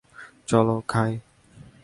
চলো, খাই।